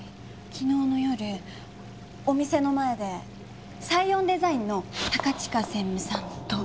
昨日の夜お店の前でサイオンデザインの高近専務さんと。